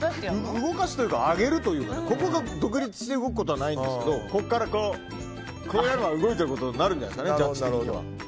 動かすというか上げるというか独立して動くことはないんですけどこうやれば動いてることになるんじゃないですか。